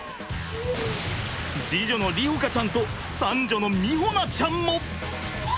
次女の梨穂花ちゃんと三女の美穂菜ちゃんも！